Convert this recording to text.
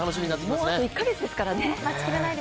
もうあと１カ月ですからね。